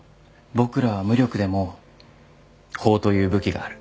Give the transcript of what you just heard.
僕らは無力でも法という武器がある。